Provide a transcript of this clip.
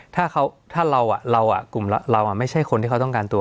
ถ้าเขาถ้าเราอ่ะเราอ่ะกลุ่มเราอ่ะไม่ใช่คนที่เขาต้องการตัว